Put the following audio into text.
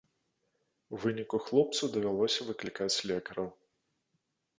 У выніку хлопцу давялося выклікаць лекараў.